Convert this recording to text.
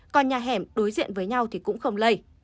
còn nhà hẻm đối diện với nhau thì cũng không lây